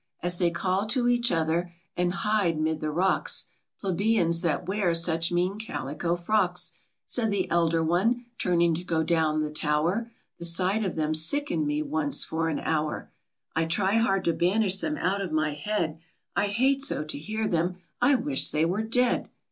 As they call to each other, and hide 'mid the rocks ; "Plebeians that wear such mean calico frocks," Said the elder one, turning to go down the tower :" The sight of them sickened me once for an hour ; I try hard to banish them out of my head, I hate so to hear them; I wish they were dead